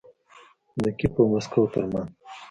د کیف او مسکو ترمنځ